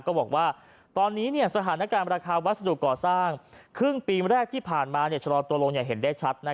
ก็บอกว่าตอนนี้สถานการณ์ราคาวัสดุก่อสร้างครึ่งปีแรกที่ผ่านมาชะลอตัวลงอย่างเห็นได้ชัด